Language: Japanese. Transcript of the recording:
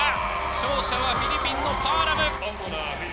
勝者はフィリピンのパアラム。